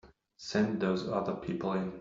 Send those other people in.